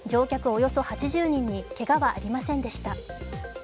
およそ８０人に、けがはありませんでした。